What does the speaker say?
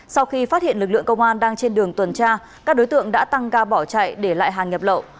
sau khi phát hiện lực lượng công an đang trên đường tuần tra các đối tượng đã tăng ca bỏ chạy để lại hàng nhập lậu